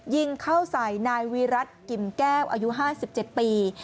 ยิงเข้าใส่นายวิรัติกิมแก้วอายุ๕๗ปี